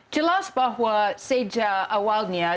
jelas bahwa sejak awalnya